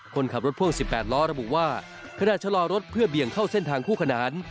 คนขับรถพ่วง๑๘ล้อระบุว่าขณะชะลอรถเพื่อเบี่ยงเข้าเส้นทางคู่ขนาน